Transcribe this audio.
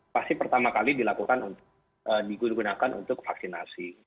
pasti pertama kali dilakukan untuk digunakan untuk vaksinasi